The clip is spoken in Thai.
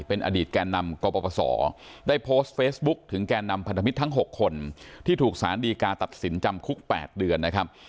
เป็นอดีตแก่นำกปศได้โพสต์เฟซบุ๊คถึงแก่นำพันธมิตรทั้ง๖คนที่ถูกสารดีกาตัดสินจำคุก๘เดือนนะครับ